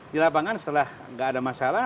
di lapangan setelah nggak ada masalah